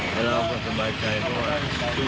เพราะว่าทุกอย่างจะเก็บต่อไป